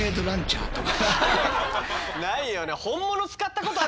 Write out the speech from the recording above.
ないよね。